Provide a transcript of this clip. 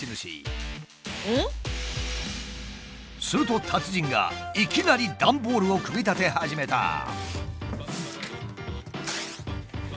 すると達人がいきなり段ボールを組み立て始めた。